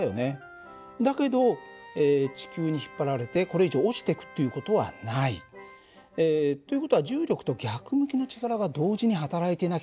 だけど地球に引っ張られてこれ以上落ちていくっていう事はない。という事は重力と逆向きの力が同時にはたらいてなきゃいけないはずだよね。